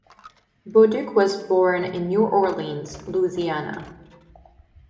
Bauduc was born in New Orleans, Louisiana.